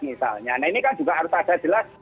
misalnya nah ini kan juga harus ada jelas